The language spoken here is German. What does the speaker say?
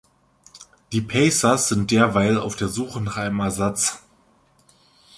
Die "Pacers" sind derweil auf der Suche nach einem Ersatz.